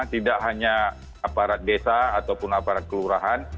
tidak hanya aparat desa ataupun aparat kelurahan